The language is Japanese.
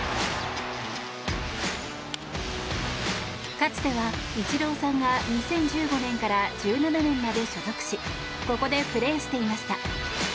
かつてはイチローさんが２０１５年から１７年まで所属しここでプレーしていました。